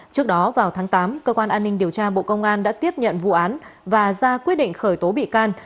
trước đó vào tháng tám cơ quan an ninh điều tra bộ công an đã tiếp nhận vụ án và ra quyết định khởi tố bị can